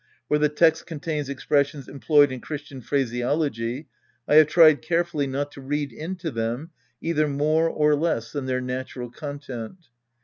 Where the text contains expressions employed in Christian phraseology, I have tried carefully not to read into them either more or less than their natural content.